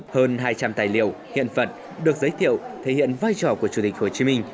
hơn hai trăm linh tài liệu hiện vật được giới thiệu thể hiện vai trò của chủ tịch hồ chí minh